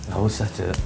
gak usah cu